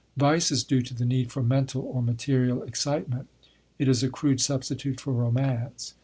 Vice is due to the need for mental or material excitement; it is a crude substitute for romance.